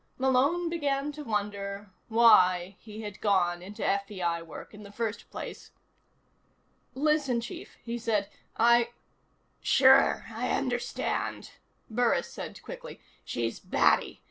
Malone began to wonder why he had gone into FBI work in the first place. "Listen, Chief," he said. "I " "Sure, I understand," Burris said quickly. "She's batty.